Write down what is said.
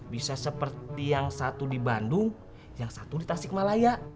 bisa seperti yang satu di bandung yang satu di tasikmalaya